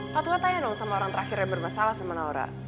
waktunya tanya dong sama orang terakhir yang bermasalah sama naura